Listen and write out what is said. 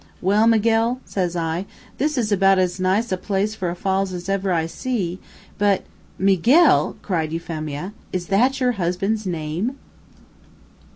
'Well, Miguel,' says I, 'this is about as nice a place for a falls as ever I see,' but " "Miguel!" cried Euphemia. "Is that your husband's name?"